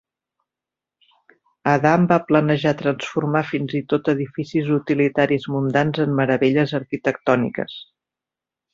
Adam va planejar transformar fins i tot edificis utilitaris mundans en meravelles arquitectòniques.